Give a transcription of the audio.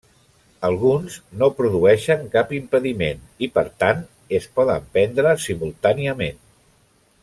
Alguns no produeixen cap impediment i per tant es poden prendre simultàniament.